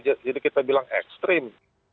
jadi kita bilang ekstrim